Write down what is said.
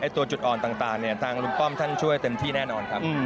ตัวจุดอ่อนต่างทางลุงป้อมท่านช่วยเต็มที่แน่นอนครับ